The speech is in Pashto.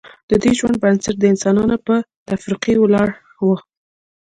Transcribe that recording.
ددې ژوند بنسټ د انسانانو پر تفرقې ولاړ و